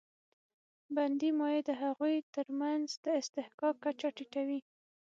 بندي مایع د هغوی تر منځ د اصطحکاک کچه ټیټوي.